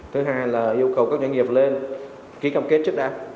thứ hai là yêu cầu các doanh nghiệp lên ký cam kết trước đã